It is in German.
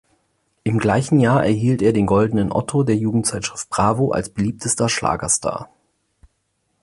Im gleichen Jahr erhielt er den Goldenen Otto der Jugendzeitschrift Bravo als beliebtester Schlagerstar.